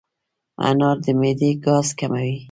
انار د معدې ګاز کموي.